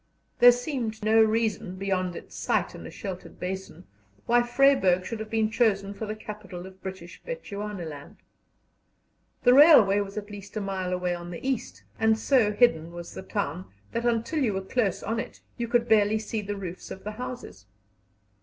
There seemed no reason, beyond its site in a sheltered basin, why Vryburg should have been chosen for the capital of British Bechuanaland. The railway was at least a mile away on the east, and so hidden was the town that, till you were close on it, you could barely see the roofs of the houses.